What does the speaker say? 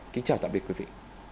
kính chào tạm biệt quý vị